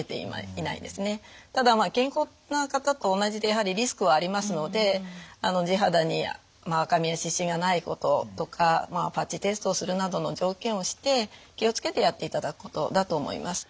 ただ健康な方と同じでやはりリスクはありますので地肌に赤みや湿疹がないこととかパッチテストをするなどの条件をして気をつけてやっていただくことだと思います。